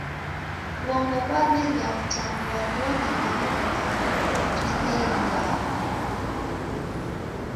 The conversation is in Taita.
W'ongo ghwameria kutambua ghoni ngelo ilagho jiseeliagha.